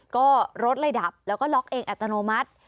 ก็รถเลยดับแล้วก็ล็อกเองอัตโนมัติ